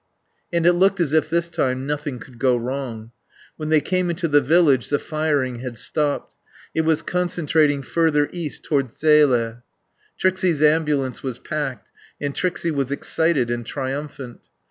And it looked as if this time nothing could go wrong. When they came into the village the firing had stopped; it was concentrating further east towards Zele. Trixie's ambulance was packed, and Trixie was excited and triumphant.